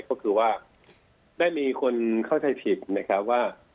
ก็คือว่าได้มีคนเข้าใจผิดนะครับว่า